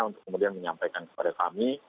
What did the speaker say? untuk kemudian menyampaikan kepada kami